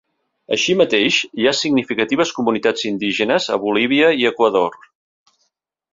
Així mateix, hi ha significatives comunitats indígenes a Bolívia i Equador.